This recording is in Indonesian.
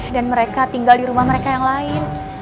dan mereka tinggal di rumah mereka yang lain